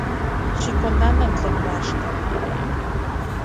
Xikonana tlen moaxka.